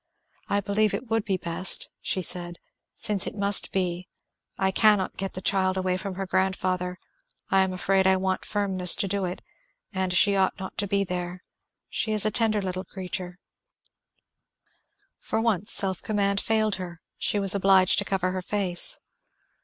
"I believe it would be best," she said, "since it must be I cannot get the child away from her grandfather I am afraid I want firmness to do it and she ought not to be there she is a tender little creature " For once self command failed her she was obliged to cover her face.